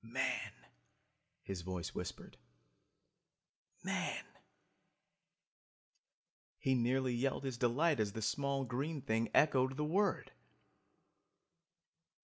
"Man!" his voice whispered, "Man!" He nearly yelled his delight as the small green thing echoed the word!